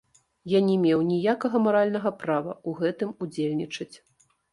Я не меў ніякага маральнага права ў гэтым удзельнічаць.